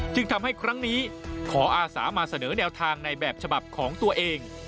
จึงทำให้ครั้งนี้ขออาสามาเสนอแนวทางในแบบฉบับของตัวเอง